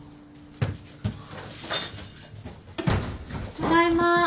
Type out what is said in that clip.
ただいま。